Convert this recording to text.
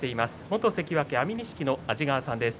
元関脇安美錦の安治川さんです。